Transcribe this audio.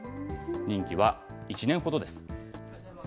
任期は１年ほどです。